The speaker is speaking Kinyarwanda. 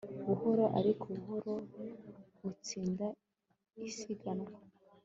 Buhoro ariko buhoro butsinda isiganwa